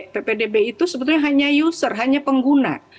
ppdb itu sebetulnya hanya user hanya pengguna